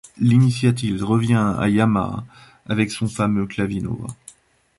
L'initiative revient à Yamaha avec son fameux Clavinova.